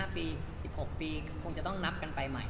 ๕ปี๑๖ปีคงจะต้องนับกันไปใหม่